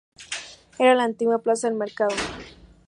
Era la antigua "plaza del Mercado".